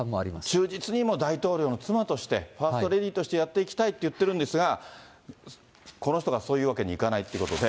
忠実に大統領の妻として、ファーストレディーとしてやっていきたいというふうに言ってるんですが、この人がそういうわけにいかないってことで。